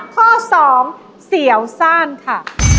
ข้อ๒เสียวซ่านค่ะ